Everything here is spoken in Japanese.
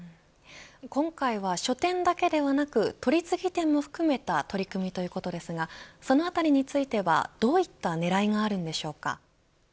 今回は書店だけではなく取次店も含めた取り組みということですがそのあたりについてはどういった狙いがあるんでしょうか。